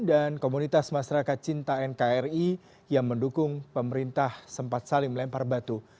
dan komunitas masyarakat cinta nkri yang mendukung pemerintah sempat saling melempar batu